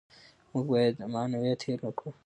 موږ باید معنویات هېر نکړو.